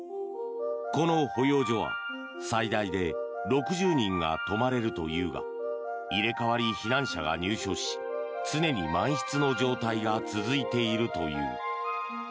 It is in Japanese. この保養所は最大で６０人が泊まれるというが入れ替わり避難者が入所し常に満室の状態が続いているという。